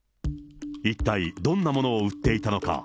一体、どんなものを売っていたのか。